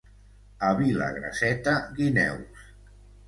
A Vilagrasseta, guineus.